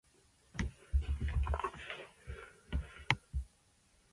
Another charting version was done by Johnny Long with Dick Robertson.